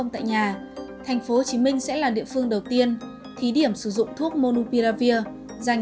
tại nhà thành phố hồ chí minh sẽ là địa phương đầu tiên thí điểm sử dụng thuốc monupiravir dành